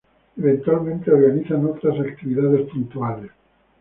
Eventualmente organizan otras actividades puntuales.